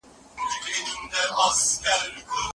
افغان ډاکټران بهر ته د سفر ازادي نه لري.